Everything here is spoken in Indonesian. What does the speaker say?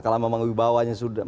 kalau memang wibawahnya sudah